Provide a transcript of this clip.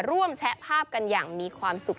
แชะภาพกันอย่างมีความสุข